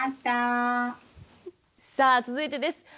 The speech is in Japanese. さあ続いてです